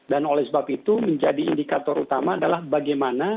dan oleh sebab itu menjadi indikator utama adalah bagaimana